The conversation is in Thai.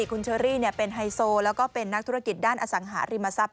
คุณเชอรี่เป็นไฮโซแล้วก็เป็นนักธุรกิจด้านอสังหาริมทรัพย